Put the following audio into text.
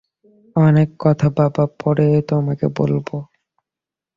অনেক কথা বাবা পরে তোমাকে বলব।